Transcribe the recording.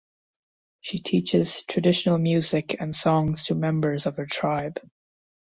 She teaches traditional music and songs to members of her tribe.